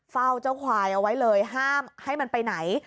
เฝ้าเจ้าควายเอาไว้เลยห้ามให้มันไปไหน